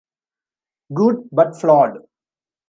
Good, but flawed.